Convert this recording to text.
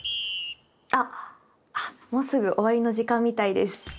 あっもうすぐ終わりの時間みたいです。